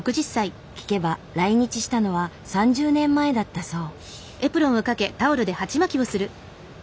聞けば来日したのは３０年前だったそう。